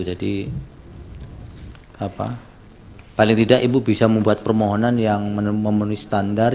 jadi paling tidak ibu bisa membuat permohonan yang memenuhi standar